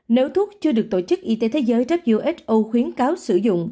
nếu thuốc chưa được tổ chức y tế thế giới who khuyến cáo sử dụng